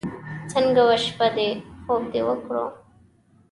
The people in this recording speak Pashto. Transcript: څنګه وه شپه دې؟ خوب دې وکړو.